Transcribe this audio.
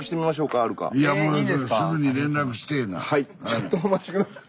ちょっとお待ち下さい。